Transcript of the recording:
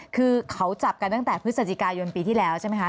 คือเขาจับกันตั้งแต่พฤศจิกายนปีที่แล้วใช่ไหมคะ